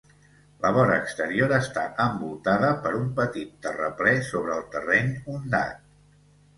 La vora exterior està envoltada per un petit terraplè sobre el terreny ondat.